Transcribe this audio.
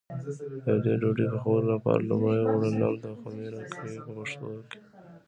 د دې ډوډۍ پخولو لپاره لومړی اوړه لمد او خمېره کوي په پښتو کې.